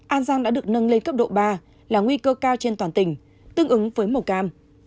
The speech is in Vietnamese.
an giang đã được nâng lên cấp độ ba là nguy cơ cao trên toàn tỉnh tương ứng với màu cam